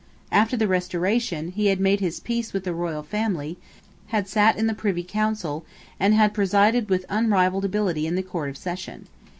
After the Restoration, he had made his peace with the royal family, had sate in the Privy Council, and had presided with unrivalled ability in the Court of Session.